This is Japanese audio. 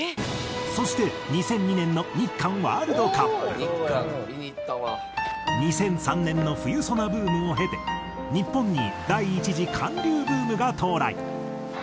そして２００２年の日韓ワールドカップ２００３年の『冬ソナ』ブームを経て日本に第１次韓流ブームが到来。